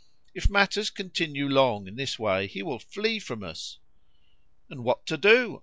If matters continue long in this way he will flee from us." "And what to do?"